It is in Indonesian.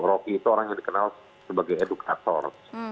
rocky itu orang yang dikenal sebagai edukator